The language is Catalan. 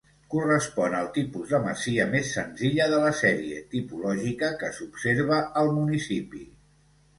Correspon al tipus de masia més senzilla de la sèrie tipològica que s'observa al municipi.